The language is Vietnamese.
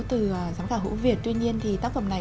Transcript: từ giám khảo hữu việt tuy nhiên thì tác phẩm này